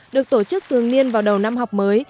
được tổ chức thường niên vào đầu năm học mới